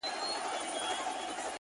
څه ژوندون دی څه غمونه څه ژړا ده;